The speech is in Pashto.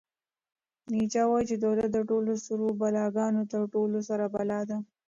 نیچه وایي چې دولت د ټولو سړو بلاګانو تر ټولو سړه بلا ده.